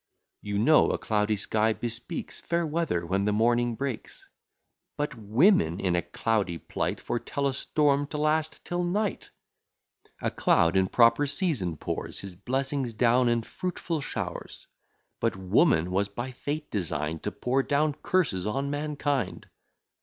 You know a cloudy sky bespeaks Fair weather when the morning breaks; But women in a cloudy plight, Foretell a storm to last till night. A cloud in proper season pours His blessings down in fruitful showers; But woman was by fate design'd To pour down curses on mankind.